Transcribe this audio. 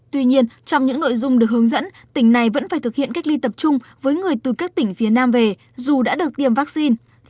theo hướng dẫn tỉnh này vẫn phải thực hiện cách ly tập trung với người từ các tỉnh phía nam về dù đã được tiêm vaccine